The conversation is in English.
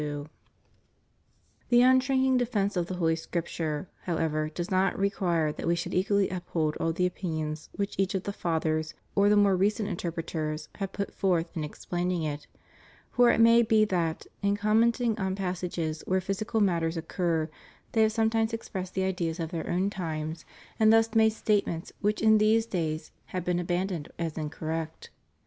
THE STUDY OF HOLY SCRIPTURE 296 The unshrinking defence of the Holy Scripture, how ever, does not require that we should equally uphold all the opinions which each of the Fathers or the more recent interpreters have put forth in explaining it; for it may be that, in commenting on passages where physical matters occur, they have sometimes expressed the ideas of their own times, and thus made statements which in these days have been abandoned as incorrect.